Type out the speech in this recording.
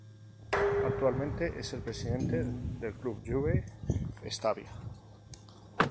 Actualmente es el presidente del club Juve Stabia.